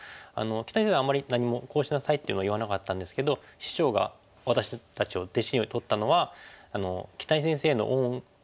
木谷先生はあんまり何もこうしなさいっていうのは言わなかったんですけど師匠が私たちを弟子に取ったのは木谷先生の恩返し